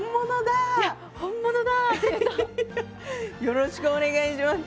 よろしくお願いします。